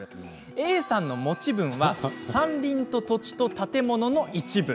Ａさんの持ち分は山林と土地と建物の一部。